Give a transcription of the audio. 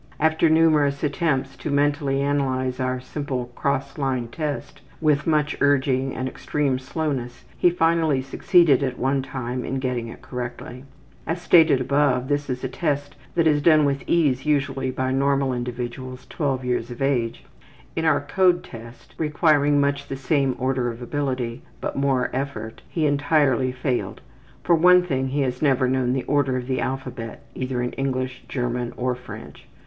After numerous attempts to mentally analyze our simple ``Cross Line Test,'' with much urging and extreme slowness he finally succeeded at one time in getting it correctly. As stated above, this is a test that is done with ease usually by normal individuals 12 years of age. On our ``Code Test,'' requiring much the same order of ability, but more effort, he entirely failed. For one thing, he has never known the order of the alphabet either in English, German, or French.